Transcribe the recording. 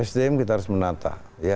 sdm kita harus menata